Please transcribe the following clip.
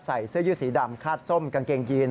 ใส่เสื้อยืดสีดำคาดส้มกางเกงยีน